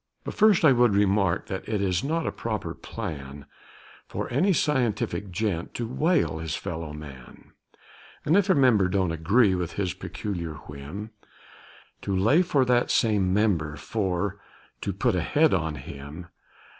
But first I would remark, that it is not a proper plan For any scientific gent to whale his fellow man, And, if a member don't agree with his peculiar whim, To lay for that same member for to "put a head" on him.